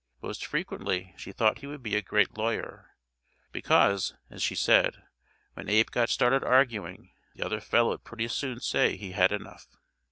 Most frequently she thought he would be a great lawyer, because, as she said, "When Abe got started arguing, the other fellow'd pretty soon say he had enough."